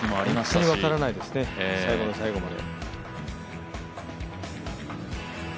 本当に分からないですね、最後の最後まで。